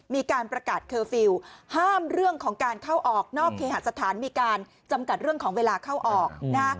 มีการประกาศเคอร์ฟิลล์ห้ามเรื่องของการเข้าออกนอกเคหาสถานมีการจำกัดเรื่องของเวลาเข้าออกนะฮะ